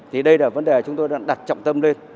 thì đây là vấn đề chúng tôi đang đặt trọng tâm lên